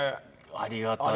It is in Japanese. ありがたい。